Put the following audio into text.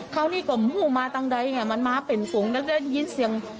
คราวนี้กลมหู้มาตั้งใดไงมันมาเป็นฝุงแล้วได้ยินเสียง